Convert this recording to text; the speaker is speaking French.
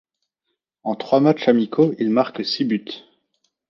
En trois matchs amicaux, il marque six buts.